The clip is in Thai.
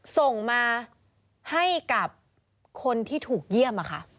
ส่งมาให้กับคนที่ถูกเยี่ยม